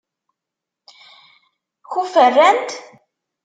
Kuferrant?